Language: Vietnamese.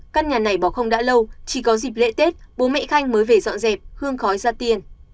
căn nhà này bỏ không đã lâu chỉ có dịp lễ tết bố mẹ khanh mới về dọn dẹp hương khói ra tiền